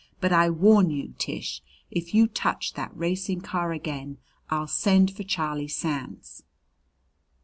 But I warn you, Tish, if you touch that racing car again, I'll send for Charlie Sands."